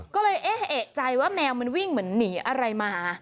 ก็เลยเอ๊ะเอกใจว่าแมวมันวิ่งเหมือนหนีอะไรมา